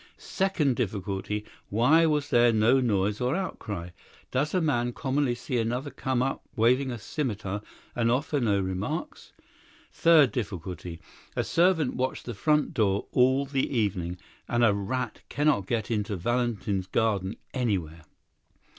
Second difficulty: Why was there no noise or outcry? Does a man commonly see another come up waving a scimitar and offer no remarks? Third difficulty: A servant watched the front door all the evening; and a rat cannot get into Valentin's garden anywhere.